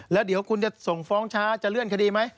แล้วเดี๋ยวคุณจะส่งฟ้องช้าจะเลื่อนคดีไหม